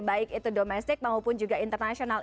baik itu domestik maupun juga internasional